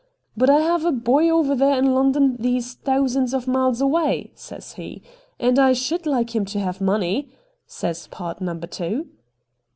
" But I have a boy over there in London all those thou 64 RED DIAMONDS sands of miles away," says he, " and I should like him to have money," says pard number two.'